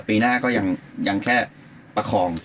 ปีหน้าก็ยังแค่ประคอง